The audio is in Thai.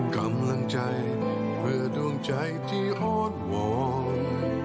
กำลังใจเพื่อดวงใจที่อ่อนวอน